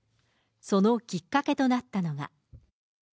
そのきっかけとなったのが。